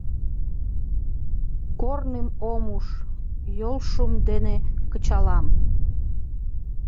Корным ом уж, йолшӱм дене кычалам.